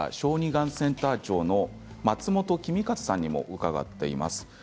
がんセンター長の松本公一さんにも伺っています。